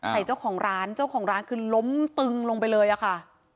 ใส่เจ้าของร้านเจ้าของร้านคือล้มตึงลงไปเลยอะค่ะ